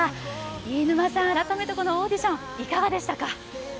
飯沼さん、改めてこのオーディションいかがでした？